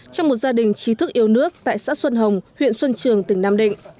trong một gia đình trí thức yêu nước tại xã xuân hồng huyện xuân trường tỉnh nam định